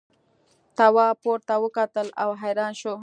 تواب پورته وکتل او حیران شو.